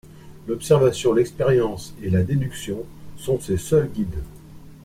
L'observation, l'expérience et la déduction sont ses seuls guides.